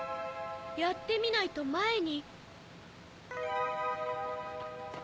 「やってみないとまえに」。